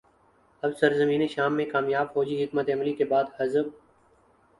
اب سرزمین شام میں کامیاب فوجی حکمت عملی کے بعد حزب